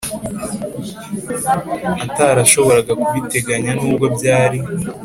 atarashoboraga kubiteganya nubwo byari